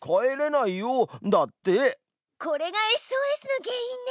これがＳＯＳの原因ね。